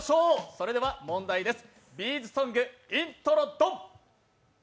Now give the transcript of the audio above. それでは、問題です。